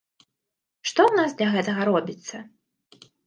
Што ў нас для гэтага робіцца?